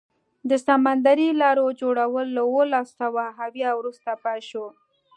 د سمندري لارو جوړول له اوولس سوه اویا وروسته پیل شو.